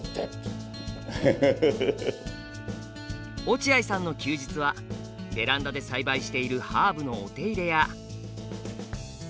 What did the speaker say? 落合さんの休日はベランダで栽培しているハーブのお手入れや。